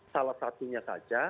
salah satunya saja